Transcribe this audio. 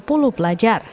jaring sepuluh pelajar